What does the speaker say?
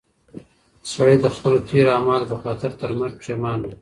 سړی د خپلو تېرو اعمالو په خاطر تر مرګ پښېمانه و.